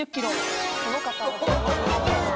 この方。